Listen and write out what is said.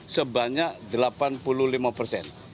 sebanyak delapan puluh lima persen